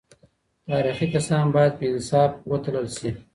تاريخي کسان بايد په انصاف وتلل سي.